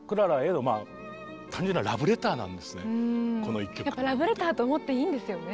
彼にとってはそのラブレターと思っていいんですよね。